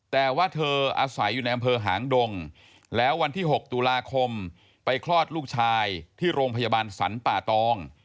แต่ว่าเธออาศัยอยู่ในอำเภอหางดงแล้ววันที่๖ตุลาคมไปคลอดลูกชายที่โรงพยาบาลสรรป่าตอง